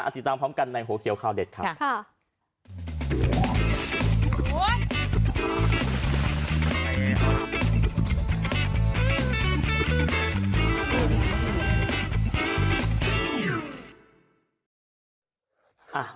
ติดตามพร้อมกันในหัวเขียวข่าวเด็ดครับ